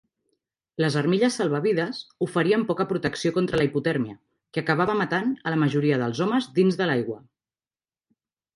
Les armilles salvavides oferien poca protecció contra la hipotèrmia, que acabava matant a la majoria dels homes dins de l'aigua.